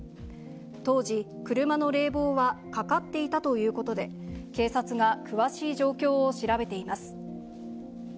当時、車の冷房はかかっていたということで、警察が詳しい状況を調べています。